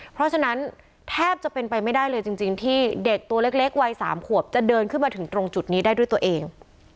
เพราะฉะนั้นแทบจะเป็นไปไม่ได้เลยจริงที่เด็กตัวเล็กวัย๓ขวบจะเดินขึ้นมาถึงตรงจุดนี้ได้ด้วยตัวเอง